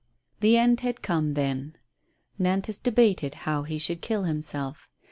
The end had come then, Nantas debated how he should kill himself.